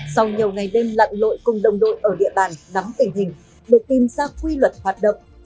sau nhiều ngày đêm lặn lội cùng đồng đội ở địa bàn nắm tình hình để tìm ra quy luật hoạt động